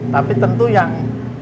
tapi tentu yang